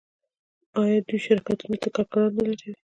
آیا دوی شرکتونو ته کارګران نه لټوي؟